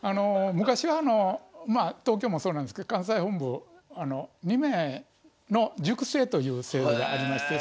昔はあのまあ東京もそうなんですけど関西本部２名の塾生という制度がありまして。